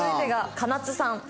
金津さん。